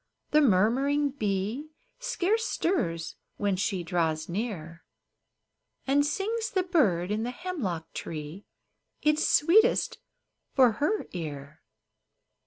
The murmuring bee Scarce stirs when she draws near, And sings the bird in the hemlock tree Its sweetest for her ear.